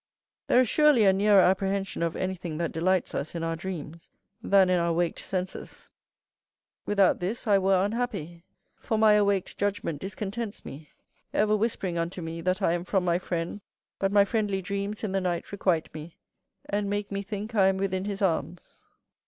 There is surely a nearer apprehension of anything that delights us, in our dreams, than in our waked senses. Without this I were unhappy; for my awaked judgment discontents me, ever whispering unto me that I am from my friend, but my friendly dreams in the night requite me, and make me think I am within his arms.